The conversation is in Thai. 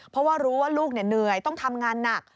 เพราะว่ารู้ว่าลูกเหนื่อยต้องทำงานหนัก